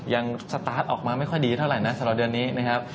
สตาร์ทออกมาไม่ค่อยดีเท่าไหร่นะสำหรับเดือนนี้นะครับ